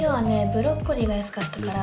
ブロッコリーが安かったから。